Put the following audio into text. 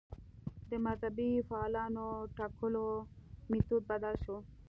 د مذهبي فعالانو ټکولو میتود بدل شو